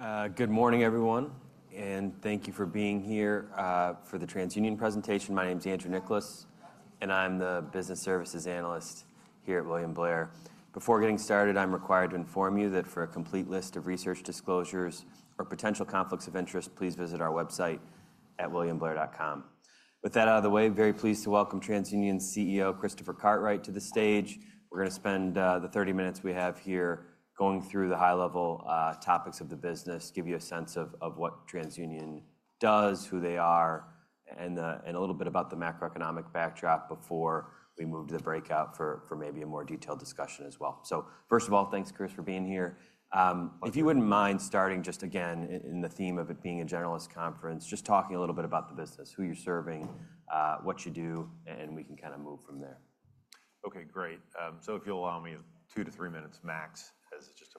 All right. Good morning, everyone, and thank you for being here for the TransUnion presentation. My name is Andrew Nicholas, and I'm the Business Services Analyst here at William Blair. Before getting started, I'm required to inform you that for a complete list of research disclosures or potential conflicts of interest, please visit our website at williamblair.com. With that out of the way, very pleased to welcome TransUnion's CEO, Christopher Cartwright, to the stage. We're going to spend the 30 minutes we have here going through the high-level topics of the business, give you a sense of what TransUnion does, who they are, and a little bit about the macroeconomic backdrop before we move to the breakout for maybe a more detailed discussion as well. First of all, thanks, Chris, for being here. If you wouldn't mind starting just again in the theme of it being a generalist conference, just talking a little bit about the business, who you're serving, what you do, and we can kind of move from there. Okay, great. If you'll allow me two to three minutes max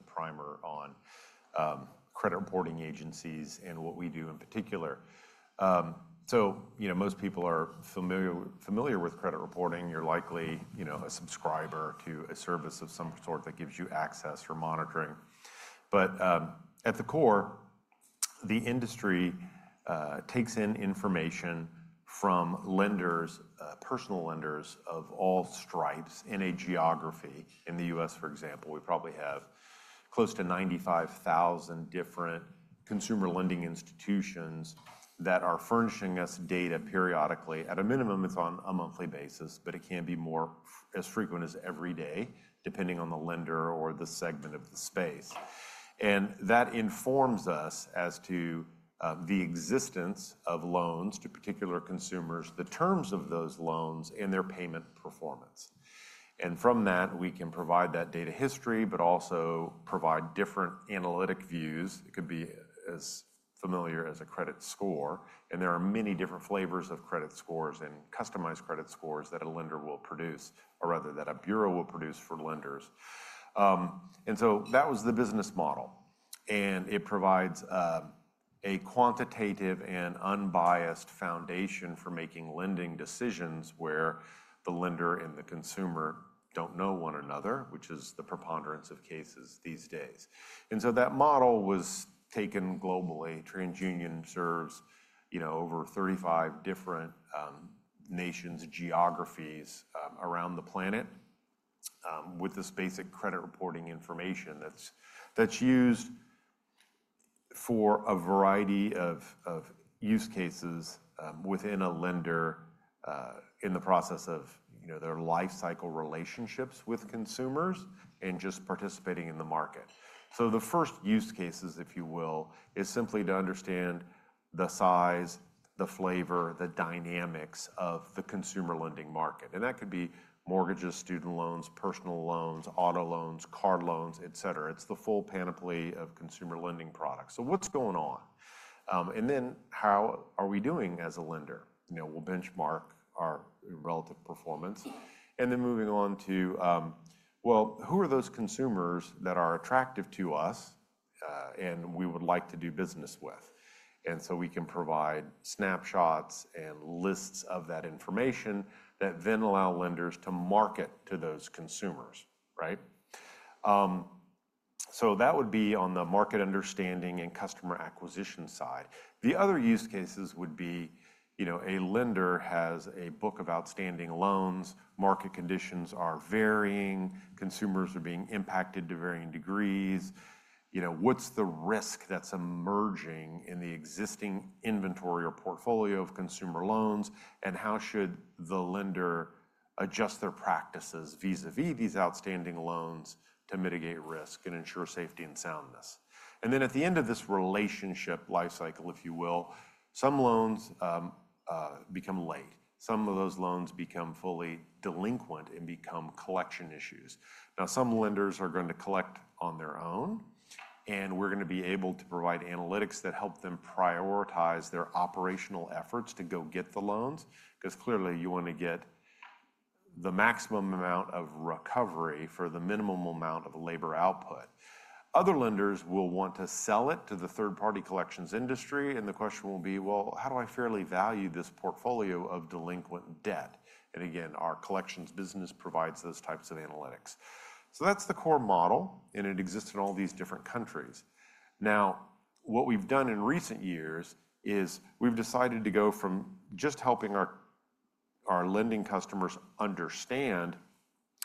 as just a primer on credit reporting agencies and what we do in particular. Most people are familiar with credit reporting. You're likely a subscriber to a service of some sort that gives you access or monitoring. At the core, the industry takes in information from lenders, personal lenders of all stripes in a geography. In the U.S., for example, we probably have close to 95,000 different consumer lending institutions that are furnishing us data periodically. At a minimum, it's on a monthly basis, but it can be as frequent as every day, depending on the lender or the segment of the space. That informs us as to the existence of loans to particular consumers, the terms of those loans, and their payment performance. From that, we can provide that data history, but also provide different analytic views. It could be as familiar as a credit score. There are many different flavors of credit scores and customized credit scores that a lender will produce, or rather that a bureau will produce for lenders. That was the business model. It provides a quantitative and unbiased foundation for making lending decisions where the lender and the consumer do not know one another, which is the preponderance of cases these days. That model was taken globally. TransUnion serves over 35 different nations, geographies around the planet with this basic credit reporting information that is used for a variety of use cases within a lender in the process of their life cycle relationships with consumers and just participating in the market. The first use cases, if you will, is simply to understand the size, the flavor, the dynamics of the consumer lending market. That could be mortgages, student loans, personal loans, auto loans, car loans, et cetera. It's the full panoply of consumer lending products. What's going on? Then how are we doing as a lender? We'll benchmark our relative performance. Moving on to, who are those consumers that are attractive to us and we would like to do business with? We can provide snapshots and lists of that information that then allow lenders to market to those consumers, right? That would be on the market understanding and customer acquisition side. The other use cases would be a lender has a book of outstanding loans, market conditions are varying, consumers are being impacted to varying degrees. What's the risk that's emerging in the existing inventory or portfolio of consumer loans, and how should the lender adjust their practices vis-à-vis these outstanding loans to mitigate risk and ensure safety and soundness? At the end of this relationship life cycle, if you will, some loans become late. Some of those loans become fully delinquent and become collection issues. Now, some lenders are going to collect on their own, and we're going to be able to provide analytics that help them prioritize their operational efforts to go get the loans because clearly you want to get the maximum amount of recovery for the minimum amount of labor output. Other lenders will want to sell it to the third-party collections industry, and the question will be, well, how do I fairly value this portfolio of delinquent debt? Again, our collections business provides those types of analytics. That's the core model, and it exists in all these different countries. What we've done in recent years is we've decided to go from just helping our lending customers understand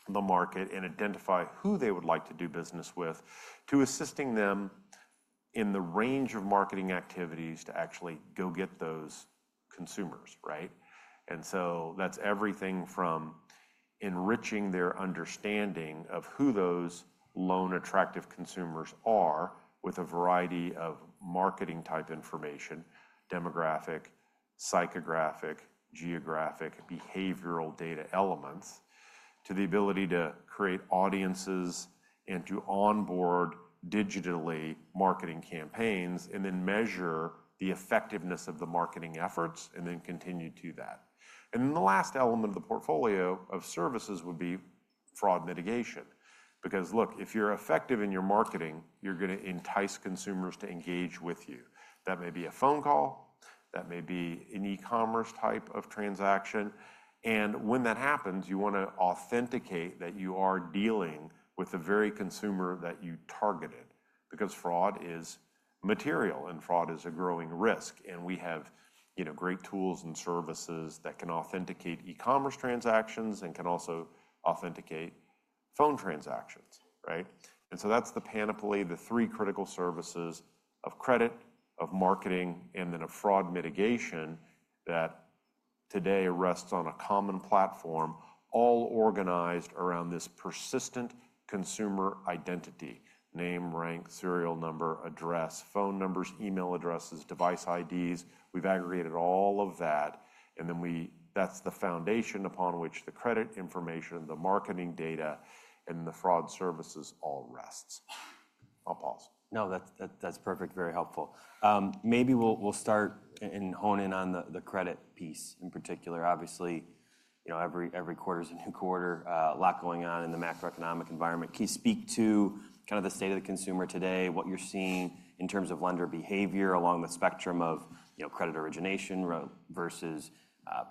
the market and identify who they would like to do business with to assisting them in the range of marketing activities to actually go get those consumers, right? That's everything from enriching their understanding of who those loan-attractive consumers are with a variety of marketing-type information, demographic, psychographic, geographic, behavioral data elements, to the ability to create audiences and to onboard digitally marketing campaigns and then measure the effectiveness of the marketing efforts and then continue to that. The last element of the portfolio of services would be fraud mitigation. Because look, if you're effective in your marketing, you're going to entice consumers to engage with you. That may be a phone call. That may be an e-commerce type of transaction. When that happens, you want to authenticate that you are dealing with the very consumer that you targeted because fraud is material, and fraud is a growing risk. We have great tools and services that can authenticate e-commerce transactions and can also authenticate phone transactions, right? That is the panoply, the three critical services of credit, of marketing, and then of fraud mitigation that today rests on a common platform, all organized around this persistent consumer identity: name, rank, serial number, address, phone numbers, email addresses, device IDs. We've aggregated all of that. That is the foundation upon which the credit information, the marketing data, and the fraud services all rests. I'll pause. No, that's perfect. Very helpful. Maybe we'll start and hone in on the credit piece in particular. Obviously, every quarter is a new quarter, a lot going on in the macroeconomic environment. Can you speak to kind of the state of the consumer today, what you're seeing in terms of lender behavior along the spectrum of credit origination versus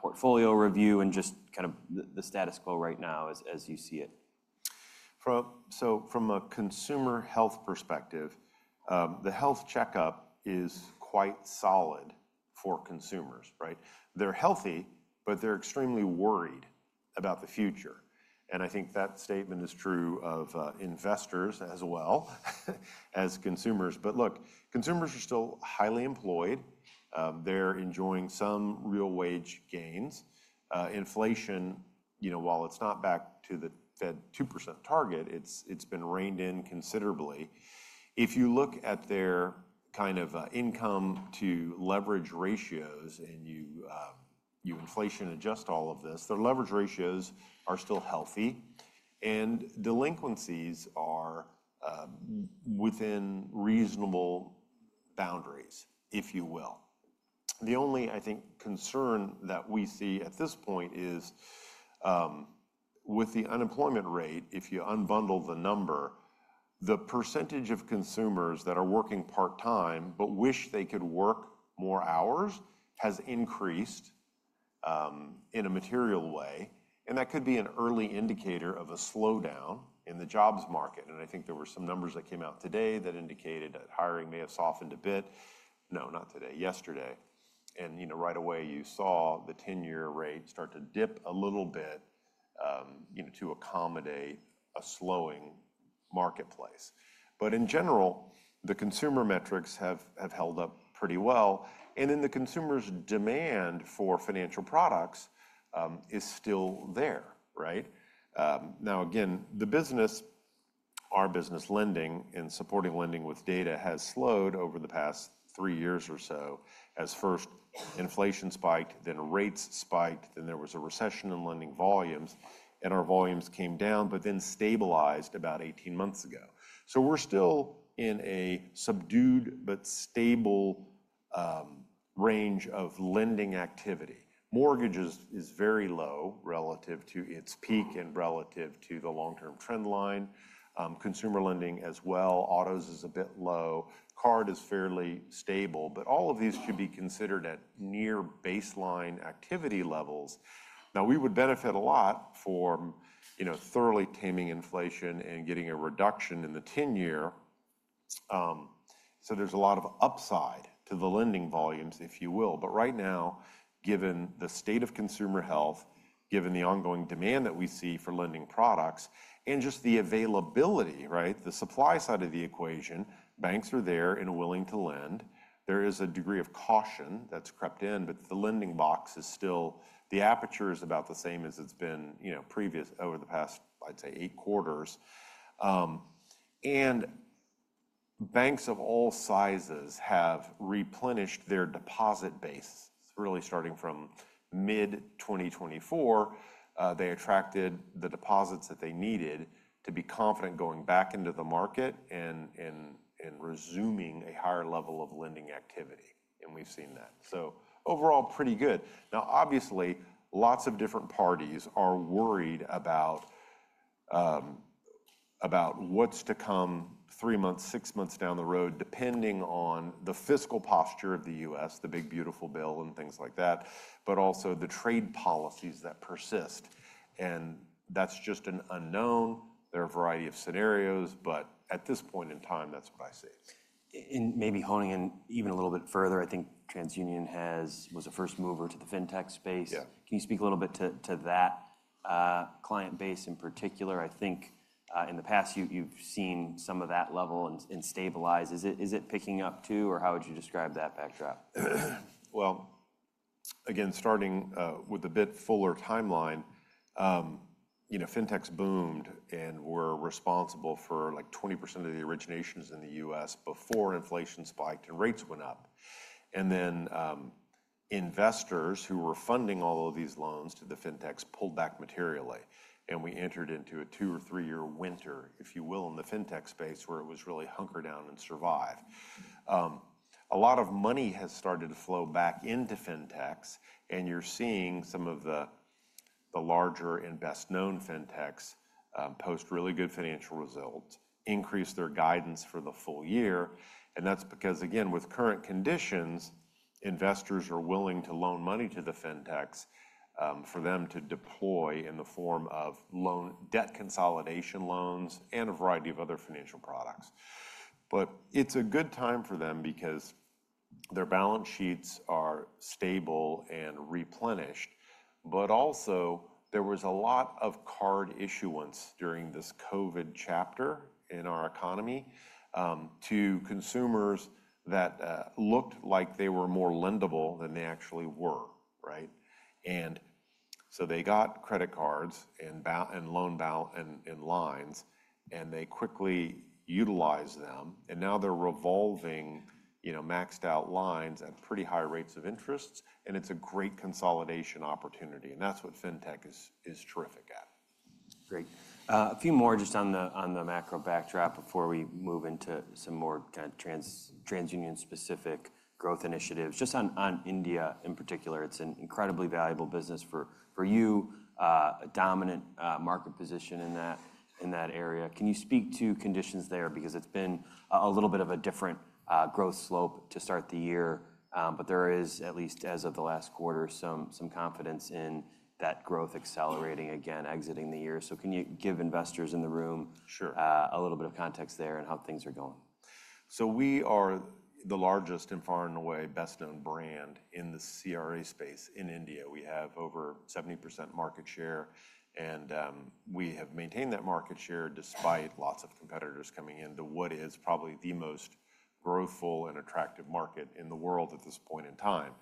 portfolio review and just kind of the status quo right now as you see it? From a consumer health perspective, the health checkup is quite solid for consumers, right? They're healthy, but they're extremely worried about the future. I think that statement is true of investors as well as consumers. Look, consumers are still highly employed. They're enjoying some real wage gains. Inflation, while it's not back to the Fed 2% target, has been reined in considerably. If you look at their kind of income-to-leverage ratios and you inflation-adjust all of this, their leverage ratios are still healthy, and delinquencies are within reasonable boundaries, if you will. The only, I think, concern that we see at this point is with the unemployment rate. If you unbundle the number, the percentage of consumers that are working part-time but wish they could work more hours has increased in a material way. That could be an early indicator of a slowdown in the jobs market. I think there were some numbers that came out yesterday that indicated that hiring may have softened a bit. Right away, you saw the 10-year rate start to dip a little bit to accommodate a slowing marketplace. In general, the consumer metrics have held up pretty well. The consumer's demand for financial products is still there, right? Now, again, the business, our business lending and supporting lending with data has slowed over the past three years or so as first inflation spiked, then rates spiked, then there was a recession in lending volumes, and our volumes came down, but then stabilized about 18 months ago. We are still in a subdued but stable range of lending activity. Mortgages is very low relative to its peak and relative to the long-term trend line. Consumer lending as well. Autos is a bit low. Card is fairly stable. All of these should be considered at near baseline activity levels. Now, we would benefit a lot from thoroughly taming inflation and getting a reduction in the 10-year. There is a lot of upside to the lending volumes, if you will. Right now, given the state of consumer health, given the ongoing demand that we see for lending products, and just the availability, right, the supply side of the equation, banks are there and willing to lend. There is a degree of caution that's crept in, but the lending box is still the aperture is about the same as it's been previous over the past, I'd say, eight quarters. Banks of all sizes have replenished their deposit base, really starting from mid-2024. They attracted the deposits that they needed to be confident going back into the market and resuming a higher level of lending activity. We have seen that. Overall, pretty good. Obviously, lots of different parties are worried about what is to come three months, six months down the road, depending on the fiscal posture of the U.S., the big beautiful bill and things like that, but also the trade policies that persist. That is just an unknown. There are a variety of scenarios, but at this point in time, that is what I see. Maybe honing in even a little bit further, I think TransUnion was a first mover to the fintech space. Can you speak a little bit to that client base in particular? I think in the past, you've seen some of that level and stabilize. Is it picking up too, or how would you describe that backdrop? Starting with a bit fuller timeline, fintechs boomed and were responsible for like 20% of the originations in the U.S. before inflation spiked and rates went up. Investors who were funding all of these loans to the fintechs pulled back materially. We entered into a two or three-year winter, if you will, in the fintech space where it was really hunker down and survive. A lot of money has started to flow back into fintechs, and you're seeing some of the larger and best-known fintechs post really good financial results, increase their guidance for the full year. That's because, again, with current conditions, investors are willing to loan money to the fintechs for them to deploy in the form of loan debt consolidation loans and a variety of other financial products. It is a good time for them because their balance sheets are stable and replenished. Also, there was a lot of card issuance during this COVID chapter in our economy to consumers that looked like they were more lendable than they actually were, right? They got credit cards and loan lines, and they quickly utilized them. Now they are revolving maxed-out lines at pretty high rates of interest. It is a great consolidation opportunity. That is what fintech is terrific at. Great. A few more just on the macro backdrop before we move into some more kind of TransUnion-specific growth initiatives. Just on India in particular, it's an incredibly valuable business for you, a dominant market position in that area. Can you speak to conditions there? Because it's been a little bit of a different growth slope to start the year, but there is, at least as of the last quarter, some confidence in that growth accelerating again, exiting the year. Can you give investors in the room a little bit of context there and how things are going? We are the largest and far and away best-known brand in the CRA space in India. We have over 70% market share, and we have maintained that market share despite lots of competitors coming into what is probably the most growthful and attractive market in the world at this point in time.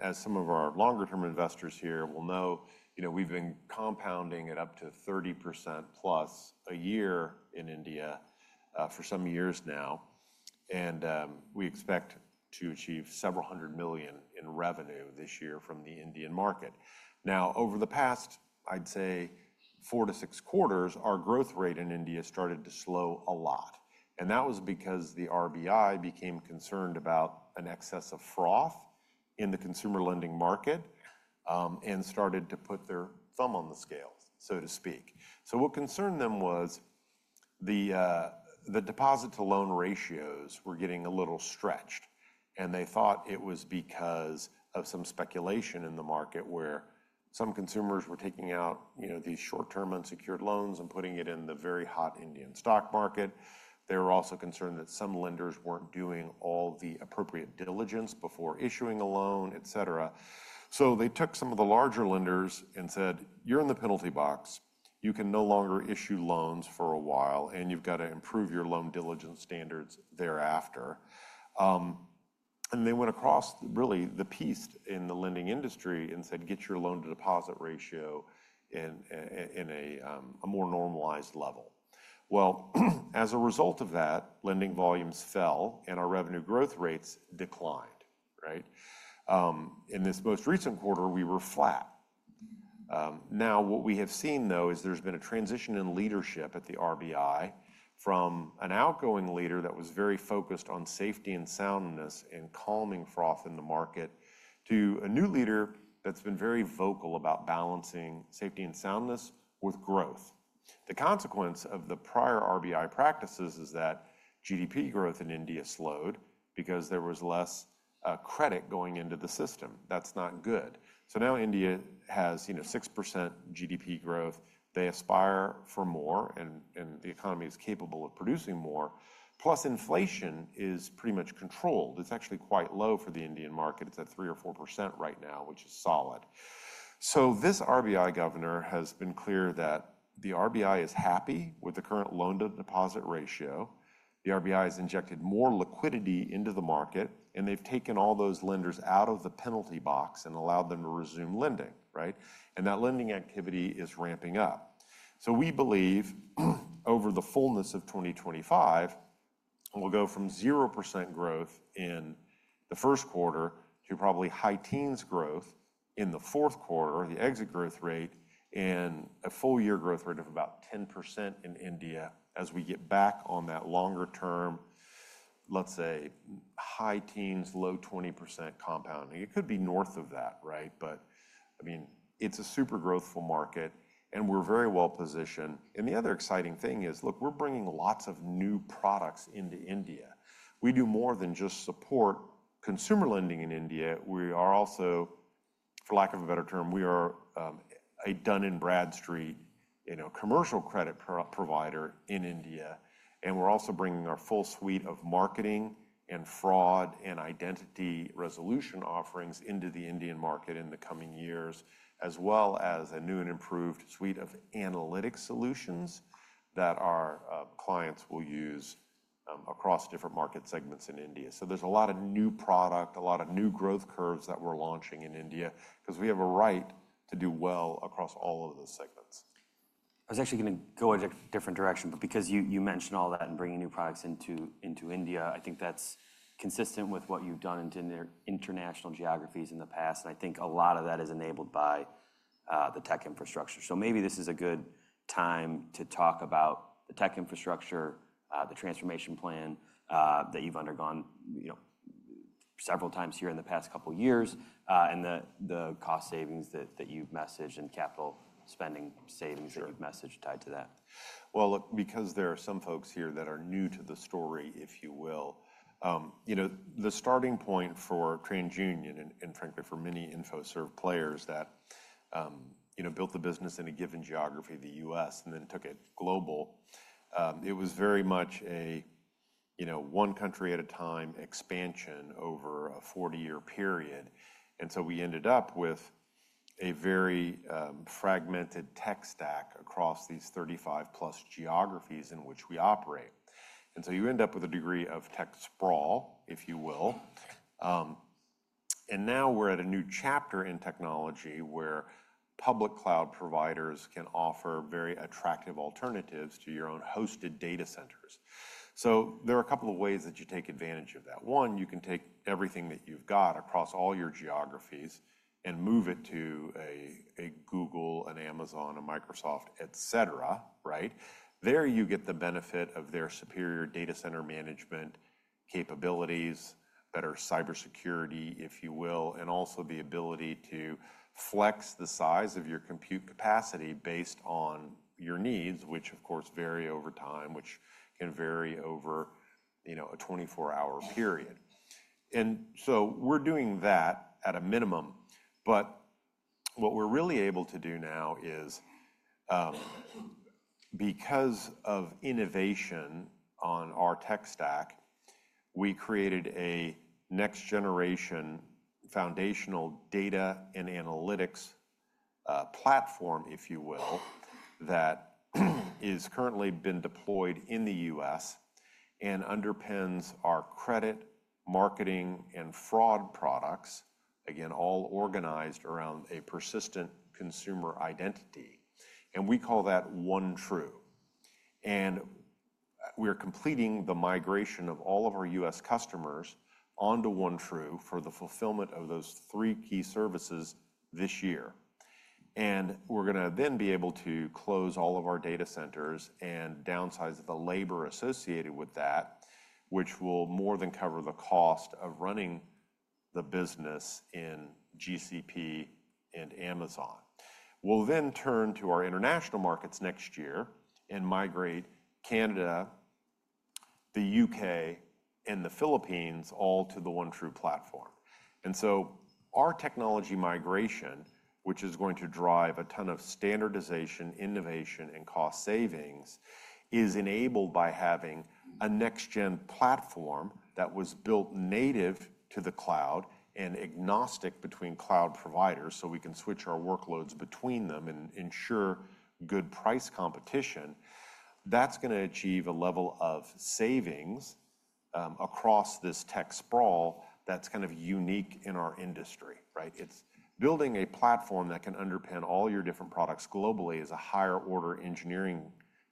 As some of our longer-term investors here will know, we've been compounding at up to 30%+ a year in India for some years now. We expect to achieve several 100 million in revenue this year from the Indian market. Over the past, I'd say, four to six quarters, our growth rate in India started to slow a lot. That was because the RBI became concerned about an excess of froth in the consumer lending market and started to put their thumb on the scale, so to speak. What concerned them was the deposit-to-loan ratios were getting a little stretched. They thought it was because of some speculation in the market where some consumers were taking out these short-term unsecured loans and putting it in the very hot Indian stock market. They were also concerned that some lenders were not doing all the appropriate diligence before issuing a loan, et cetera. They took some of the larger lenders and said, "You're in the penalty box. You can no longer issue loans for a while, and you've got to improve your loan diligence standards thereafter." They went across really the piece in the lending industry and said, "Get your loan-to-deposit ratio in a more normalized level." As a result of that, lending volumes fell, and our revenue growth rates declined, right? In this most recent quarter, we were flat. Now, what we have seen, though, is there's been a transition in leadership at the RBI from an outgoing leader that was very focused on safety and soundness and calming froth in the market to a new leader that's been very vocal about balancing safety and soundness with growth. The consequence of the prior RBI practices is that GDP growth in India slowed because there was less credit going into the system. That's not good. Now India has 6% GDP growth. They aspire for more, and the economy is capable of producing more. Plus, inflation is pretty much controlled. It's actually quite low for the Indian market. It's at 3% or 4% right now, which is solid. This RBI governor has been clear that the RBI is happy with the current loan-to-deposit ratio. The RBI has injected more liquidity into the market, and they've taken all those lenders out of the penalty box and allowed them to resume lending, right? That lending activity is ramping up. We believe over the fullness of 2025, we'll go from zero percent growth in the first quarter to probably high teens growth in the fourth quarter, the exit growth rate, and a full-year growth rate of about 10% in India as we get back on that longer-term, let's say, high teens, low 20% compounding. It could be north of that, right? I mean, it's a super growthful market, and we're very well positioned. The other exciting thing is, look, we're bringing lots of new products into India. We do more than just support consumer lending in India. We are also, for lack of a better term, we are a Dun & Bradstreet commercial credit provider in India. We are also bringing our full suite of marketing and fraud and identity resolution offerings into the Indian market in the coming years, as well as a new and improved suite of analytic solutions that our clients will use across different market segments in India. There is a lot of new product, a lot of new growth curves that we are launching in India because we have a right to do well across all of those segments. I was actually going to go in a different direction, but because you mentioned all that and bringing new products into India, I think that's consistent with what you've done in international geographies in the past. I think a lot of that is enabled by the tech infrastructure. Maybe this is a good time to talk about the tech infrastructure, the transformation plan that you've undergone several times here in the past couple of years, and the cost savings that you've messaged and capital spending savings that you've messaged tied to that. Look, because there are some folks here that are new to the story, if you will, the starting point for TransUnion and frankly, for many InfoServ players that built the business in a given geography, the U.S., and then took it global, it was very much a one country at a time expansion over a 40-year period. You end up with a very fragmented tech stack across these 35-plus geographies in which we operate. You end up with a degree of tech sprawl, if you will. Now we're at a new chapter in technology where public cloud providers can offer very attractive alternatives to your own hosted data centers. There are a couple of ways that you take advantage of that. One, you can take everything that you've got across all your geographies and move it to a Google, an Amazon, a Microsoft, et cetera, right? There you get the benefit of their superior data center management capabilities, better cybersecurity, if you will, and also the ability to flex the size of your compute capacity based on your needs, which of course vary over time, which can vary over a 24-hour period. We're doing that at a minimum. What we're really able to do now is because of innovation on our tech stack, we created a next-generation foundational data and analytics platform, if you will, that has currently been deployed in the U.S. and underpins our credit, marketing, and fraud products, again, all organized around a persistent consumer identity. We call that OneTrue. We are completing the migration of all of our U.S. customers onto OneTrue for the fulfillment of those three key services this year. We are going to then be able to close all of our data centers and downsize the labor associated with that, which will more than cover the cost of running the business in GCP and Amazon. We will then turn to our international markets next year and migrate Canada, the U.K., and the Philippines all to the OneTrue platform. Our technology migration, which is going to drive a ton of standardization, innovation, and cost savings, is enabled by having a next-gen platform that was built native to the cloud and agnostic between cloud providers so we can switch our workloads between them and ensure good price competition. That's going to achieve a level of savings across this tech sprawl that's kind of unique in our industry, right? It's building a platform that can underpin all your different products globally as a higher-order engineering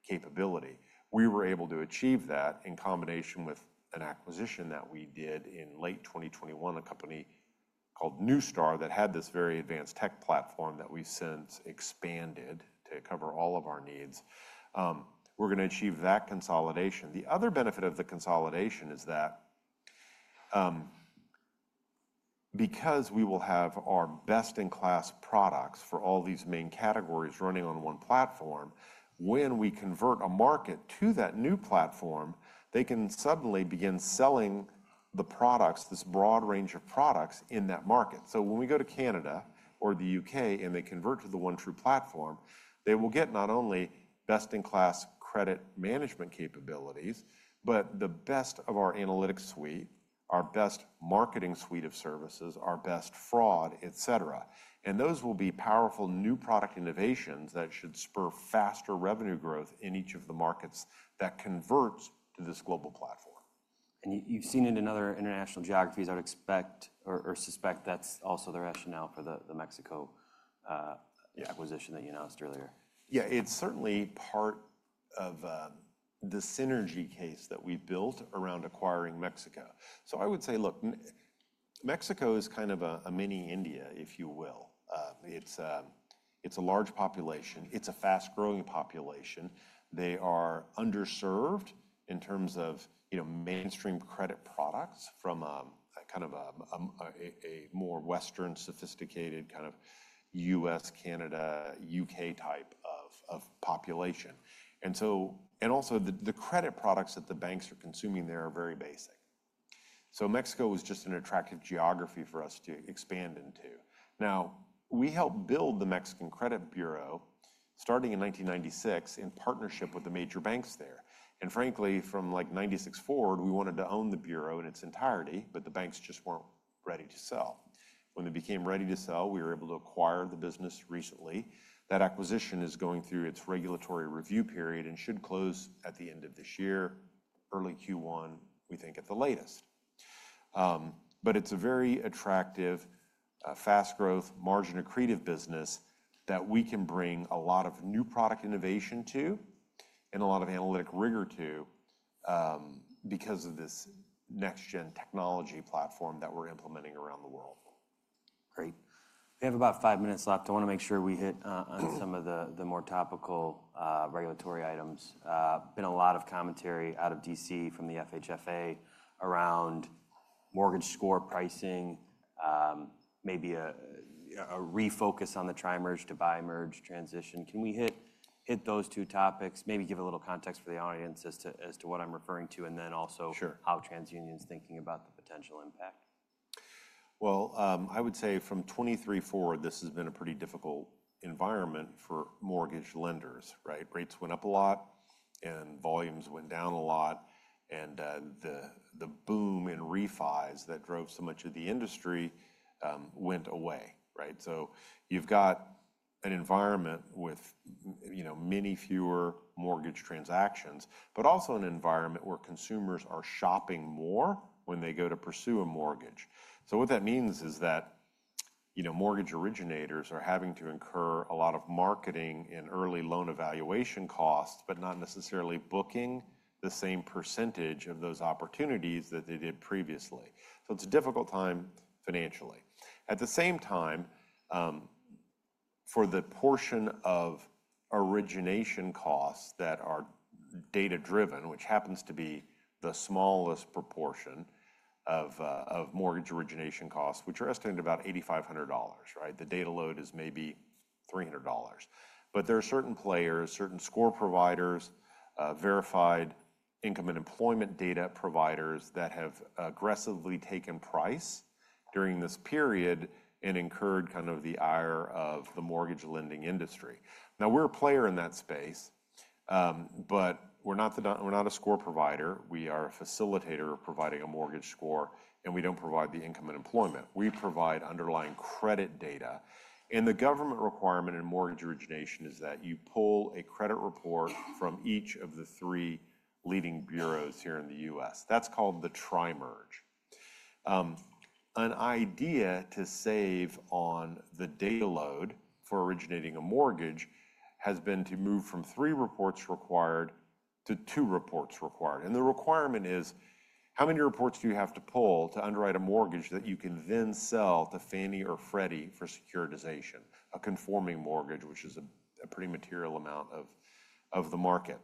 capability. We were able to achieve that in combination with an acquisition that we did in late 2021, a company called Neustar that had this very advanced tech platform that we've since expanded to cover all of our needs. We're going to achieve that consolidation. The other benefit of the consolidation is that because we will have our best-in-class products for all these main categories running on one platform, when we convert a market to that new platform, they can suddenly begin selling the products, this broad range of products in that market. When we go to Canada or the U.K. and they convert to the OneTrue platform, they will get not only best-in-class credit management capabilities, but the best of our analytics suite, our best marketing suite of services, our best fraud, et cetera. Those will be powerful new product innovations that should spur faster revenue growth in each of the markets that converts to this global platform. You've seen it in other international geographies. I would expect or suspect that's also the rationale for the Mexico acquisition that you announced earlier. Yeah, it's certainly part of the synergy case that we built around acquiring Mexico. I would say, look, Mexico is kind of a mini India, if you will. It's a large population. It's a fast-growing population. They are underserved in terms of mainstream credit products from kind of a more Western, sophisticated kind of U.S., Canada, U.K. type of population. Also, the credit products that the banks are consuming there are very basic. Mexico was just an attractive geography for us to expand into. Now, we helped build the Mexican credit bureau starting in 1996 in partnership with the major banks there. Frankly, from 1996 forward, we wanted to own the bureau in its entirety, but the banks just weren't ready to sell. When they became ready to sell, we were able to acquire the business recently. That acquisition is going through its regulatory review period and should close at the end of this year, early Q1, we think at the latest. It is a very attractive, fast-growth, margin-accretive business that we can bring a lot of new product innovation to and a lot of analytic rigor to because of this next-gen technology platform that we're implementing around the world. Great. We have about five minutes left. I want to make sure we hit on some of the more topical regulatory items. There's been a lot of commentary out of D.C. from the FHFA around mortgage score pricing, maybe a refocus on the tri-merge to bi-merge transition. Can we hit those two topics, maybe give a little context for the audience as to what I'm referring to, and then also how TransUnion's thinking about the potential impact? I would say from 2023 forward, this has been a pretty difficult environment for mortgage lenders, right? Rates went up a lot, and volumes went down a lot. The boom in refis that drove so much of the industry went away, right? You have an environment with many fewer mortgage transactions, but also an environment where consumers are shopping more when they go to pursue a mortgage. What that means is that mortgage originators are having to incur a lot of marketing and early loan evaluation costs, but not necessarily booking the same percentage of those opportunities that they did previously. It is a difficult time financially. At the same time, for the portion of origination costs that are data-driven, which happens to be the smallest proportion of mortgage origination costs, which are estimated at about $8,500, the data load is maybe $300. There are certain players, certain score providers, verified income and employment data providers that have aggressively taken price during this period and incurred kind of the ire of the mortgage lending industry. Now, we're a player in that space, but we're not a score provider. We are a facilitator of providing a mortgage score, and we don't provide the income and employment. We provide underlying credit data. The government requirement in mortgage origination is that you pull a credit report from each of the three leading bureaus here in the U.S. That's called the tri-merge. An idea to save on the data load for originating a mortgage has been to move from three reports required to two reports required. The requirement is, how many reports do you have to pull to underwrite a mortgage that you can then sell to Fannie or Freddie for securitization, a conforming mortgage, which is a pretty material amount of the market?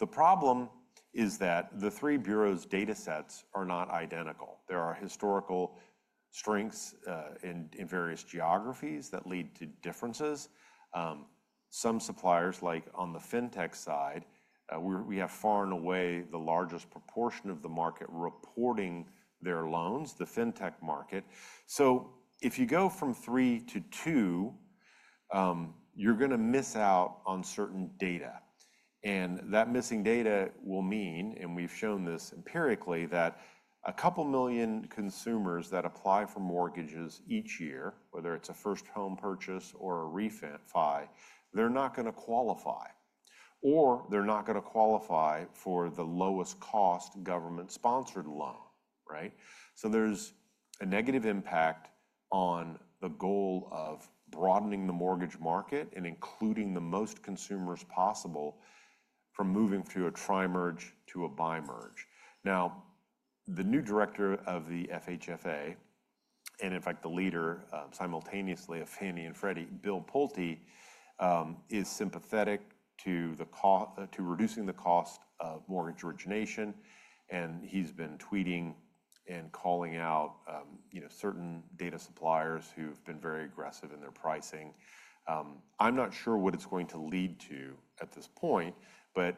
The problem is that the three bureaus' data sets are not identical. There are historical strengths in various geographies that lead to differences. Some suppliers, like on the fintech side, we have far and away the largest proportion of the market reporting their loans, the fintech market. If you go from three to two, you're going to miss out on certain data. That missing data will mean, and we've shown this empirically, that a couple million consumers that apply for mortgages each year, whether it's a first home purchase or a refi, they're not going to qualify. Or they're not going to qualify for the lowest-cost government-sponsored loan, right? There is a negative impact on the goal of broadening the mortgage market and including the most consumers possible from moving through a tri-merge to a bi-merge. Now, the new Director of the FHFA, and in fact, the leader simultaneously of Fannie and Freddie, Bill Pulte, is sympathetic to reducing the cost of mortgage origination. He has been tweeting and calling out certain data suppliers who have been very aggressive in their pricing. I am not sure what it is going to lead to at this point, but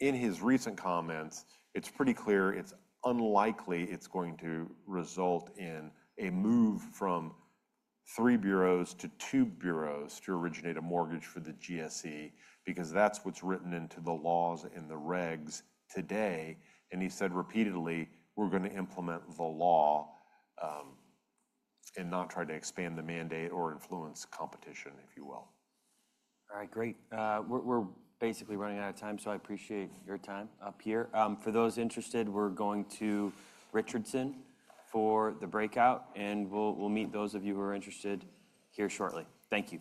in his recent comments, it is pretty clear it is unlikely it is going to result in a move from three bureaus to two bureaus to originate a mortgage for the GSE because that is what is written into the laws and the regulations today. He said repeatedly, we are going to implement the law and not try to expand the mandate or influence competition, if you will. All right, great. We're basically running out of time, so I appreciate your time up here. For those interested, we're going to Richardson for the breakout, and we'll meet those of you who are interested here shortly. Thank you.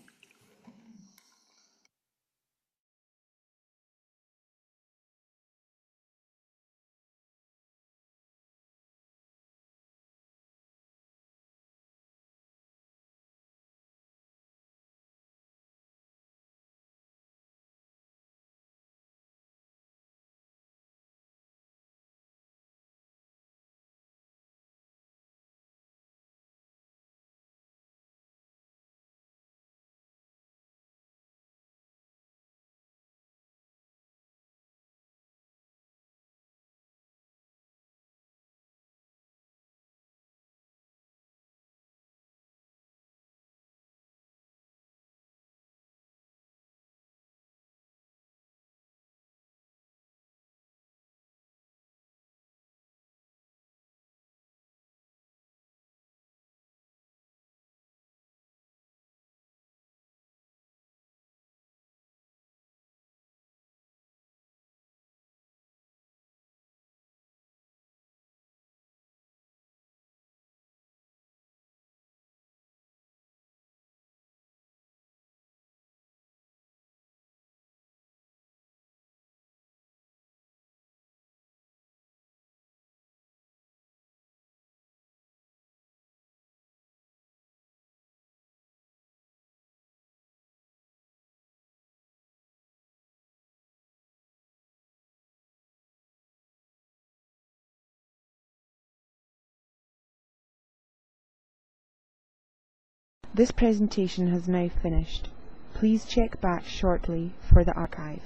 This presentation has now finished. Please check back shortly for the archive.